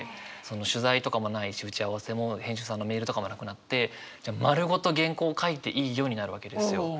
取材とかもないし打ち合わせも編集さんのメールとかもなくなってじゃあ丸ごと原稿書いていいよになるわけですよ。